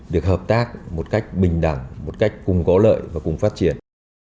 được hợp tác một cách bình đẳng một cách cùng có lợi và cùng phát triển